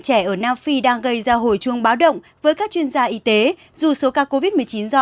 trẻ ở nam phi đang gây ra hồi chuông báo động với các chuyên gia y tế dù số ca covid một mươi chín do